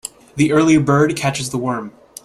The early bird catches the worm.